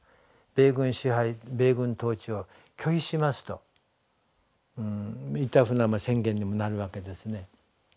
米軍支配米軍統治を拒否しますといったふうな宣言にもなるわけですね。